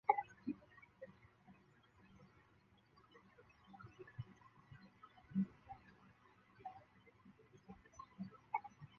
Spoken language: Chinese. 撒拉威阿拉伯民主共和国国徽是阿拉伯撒哈拉民主共和国的国家政府标志徽章。